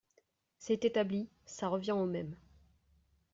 C’est établi, ça revient au même.